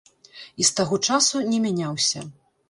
І з таго часу не мяняўся.